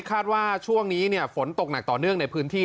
คาดว่าช่วงนี้ฝนตกหนักต่อเนื่องในพื้นที่